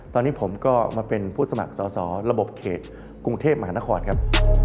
ตอนนี้ผมก็มาเป็นผู้สมัครสอสอระบบเขตกรุงเทพมหานครครับ